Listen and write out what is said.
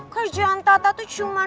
kerjaan tata itu cuma